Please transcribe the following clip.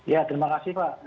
ya terima kasih pak